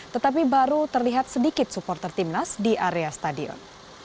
tetapi baru terlihat sedikit supporter timnas di area stadion